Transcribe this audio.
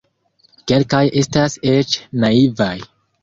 Kelkaj estas eĉ naivaj.